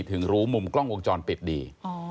ถึงรู้มุมกล้องวงจรปิดดี